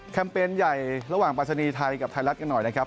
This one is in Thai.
เปญใหญ่ระหว่างปรัชนีไทยกับไทยรัฐกันหน่อยนะครับ